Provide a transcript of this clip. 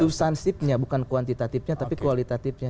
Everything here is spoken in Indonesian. substansifnya bukan kuantitatifnya tapi kualitatifnya